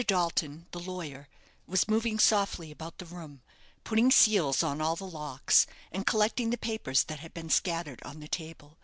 Dalton, the lawyer, was moving softly about the room, putting seals on all the locks, and collecting the papers that had been scattered on the table.